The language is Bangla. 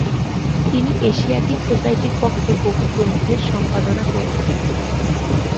তিনি এশিয়াটিক সোসাইটির পক্ষে বহু গ্রন্থের সম্পাদনা করেছেন।